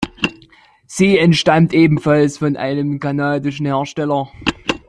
Sie stammt ebenfalls von einem kanadischen Hersteller.